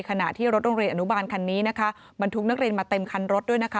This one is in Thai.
ขณะที่รถโรงเรียนอนุบาลคันนี้นะคะบรรทุกนักเรียนมาเต็มคันรถด้วยนะคะ